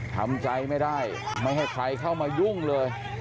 ทำใจไม่ได้ไม่ให้ใครเข้ามายุ่งเลย